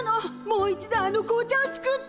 もう一度あの紅茶を作って！